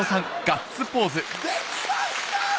できました。